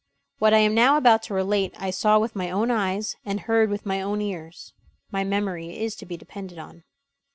What I am now about to relate I saw with my own eyes and heard with my own ears. My memory is to be depended on.